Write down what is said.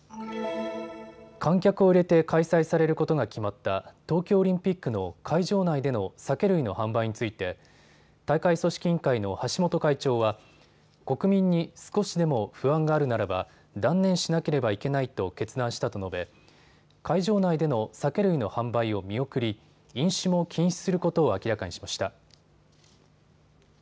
観客を入れて開催されることが決まった東京オリンピックの会場内での酒類の販売について大会組織委員会の橋本会長は国民に少しでも不安があるならば断念しなければいけないと決断したと述べ、会場内での酒類の販売を見送り飲酒も禁止することを明らかにしました。